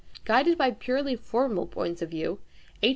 Guided by purely formal points of view, H.